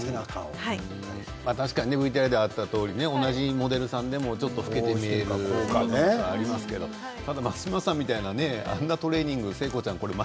確かにＶＴＲであったとおり同じモデルさんでも、ちょっと老けて見えるとかありますけど松島さんみたいなあんなトレーニングを誠子ちゃん